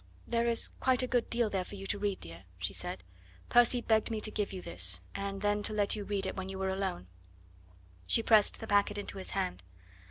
"There is quite a good deal there for you to read, dear," she said. "Percy begged me to give you this, and then to let you read it when you were alone." She pressed the packet into his hand.